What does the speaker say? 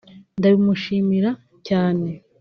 ndabimushimira cyane